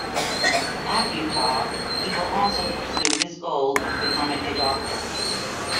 At Utah, he will also pursue his goal of becoming a doctor.